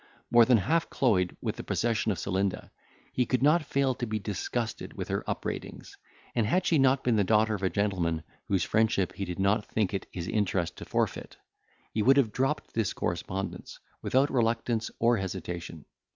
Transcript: More than half cloyed with the possession of Celinda, he could not fail to be disgusted with her upbraidings; and had she not been the daughter of a gentleman whose friendship he did not think it his interest to forfeit, he would have dropped this correspondence, without reluctance or hesitation.